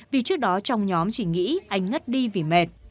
vì trước đó trong nhóm chỉ nghĩ anh ngất đi vì mệt